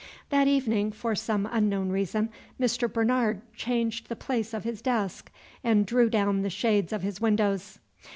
That evening, for some unknown reason, Mr. Bernard changed the place of his desk and drew down the shades of his windows.